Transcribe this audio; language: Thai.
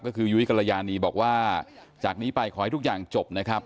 ก็คือยุ้ยกรยานีบอกว่าจากนี้ไปขอให้ทุกอย่างจบนะครับ